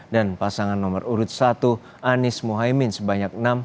dan pasangan nomor urut satu anies muhaymin